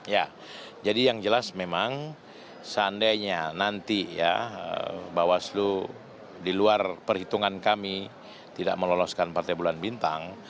ya jadi yang jelas memang seandainya nanti ya bawaslu di luar perhitungan kami tidak meloloskan partai bulan bintang